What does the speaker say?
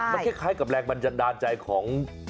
มันคล้ายกับแรงบันดาลใจของ